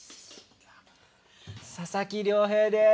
佐々木涼平です！